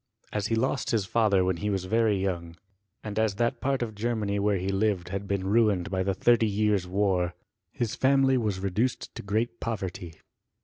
As he lost his father when he was very young, and as that part of Germany where he lived had been ruined by the thirty years' war, his family was reduced to great poverty.